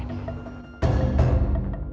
siapa yang sudah melakukan ini